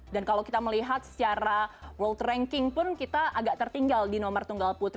dan kalau kita melihat secara world ranking pun kita agak tertinggal di nomor tunggal putri